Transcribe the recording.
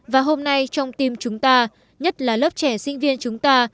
và hôm nay trong tim chúng ta nhất là lớp trẻ sinh viên chúng ta